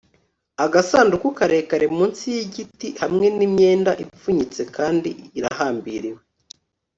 agasanduku karekare munsi yigiti, hamwe nimyenda ipfunyitse kandi irahambiriwe